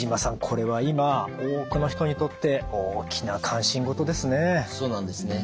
これは今多くの人にとって大きな関心事ですね。